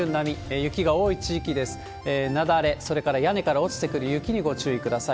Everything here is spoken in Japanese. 雪崩、それから屋根から落ちてくる雪にご注意ください。